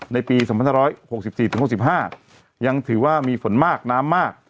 ในปีสามพันห้าร้อยหกสิบสี่ถึงหกสิบห้ายังถือว่ามีฝนมากน้ำมาก